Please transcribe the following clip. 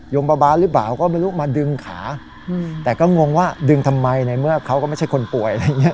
มบาบาลหรือเปล่าก็ไม่รู้มาดึงขาแต่ก็งงว่าดึงทำไมในเมื่อเขาก็ไม่ใช่คนป่วยอะไรอย่างเงี้